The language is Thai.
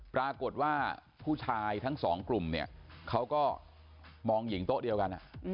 ปรากฏว่าผู้ชายทั้งสองกลุ่มเนี่ยเขาก็มองหญิงโต๊ะเดียวกัน